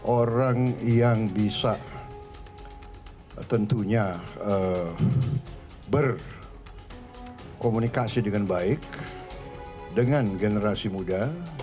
orang yang bisa tentunya berkomunikasi dengan baik dengan generasi muda